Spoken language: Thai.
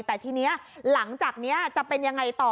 แต่ทีนี้หลังจากนี้จะเป็นยังไงต่อ